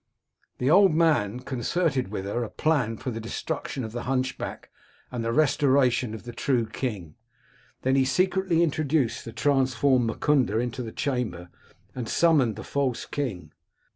The old man concerted with her a plan for the destruction of the hunchback and the restoration of the true king ; then he secretly introduced the transformed Mukunda into the chamber, and summoned the false king.